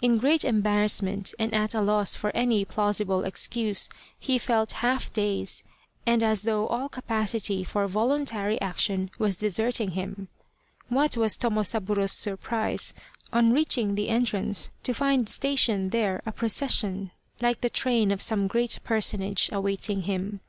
In great embarrass ment, and at a loss for any plausible excuse, he felt half dazed, and as though all capacity for voluntary action was deserting him. What was Tomosaburo's surprise on reaching the entrance to find stationed there a procession, like the train of some great personage, awaiting him.